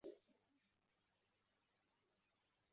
Umuntu ufite tank nto & inda nini afashe ikabutura